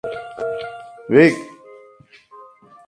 Más tarde fue crítico de arte durante su exilio en Chile.